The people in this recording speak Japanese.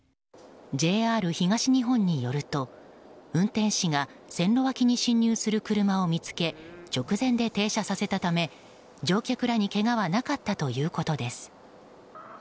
ＪＲ東日本によると運転士が線路脇に進入する車を見つけ直前で停車させたため、乗客らにけがはなかったということです。